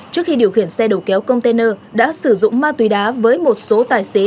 trước khi điều khiển xe đầu kéo container đã sử dụng ma túy đá với một số tài xế